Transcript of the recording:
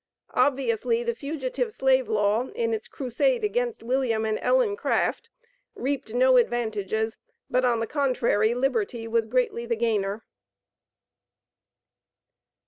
Obviously the Fugitive Slave Law in its crusade against William and Ellen Craft, reaped no advantages, but on the contrary, liberty was greatly the gainer.